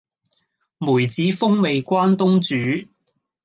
梅子風味關東煮